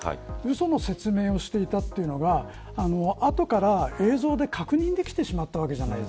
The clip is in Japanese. うその説明をしていたというのが後から映像で確認できてしまったわけです。